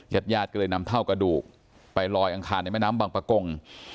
ญาติญาติก็เลยนำเท่ากระดูกไปลอยอังคารในแม่น้ำบังปะกง